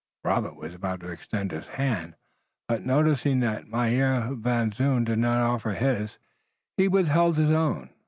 Robert was about to extend his hand, but noticing that Mynheer Van Zoon did not offer his he withheld his own.